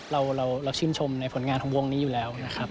เราชื่นชมในผลงานของวงนี้อยู่แล้วนะครับ